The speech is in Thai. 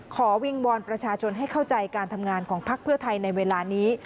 วิงวอนประชาชนให้เข้าใจการทำงานของพักเพื่อไทยในเวลานี้